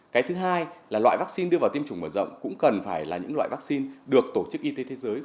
cái thứ hai là loại vaccine đưa vào tiêm chủng mở rộng cũng cần phải là những loại vaccine được tổ chức y tế thế giới